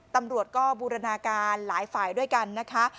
ตำรวจก็บูรณาการหลายฝ่ายด้วยกันนะคะ